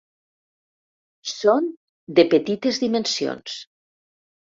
Són de petites dimensions.